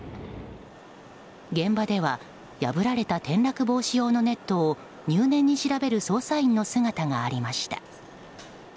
現場では破られた転落防止用のネットを入念に調べる捜査員の姿がありました。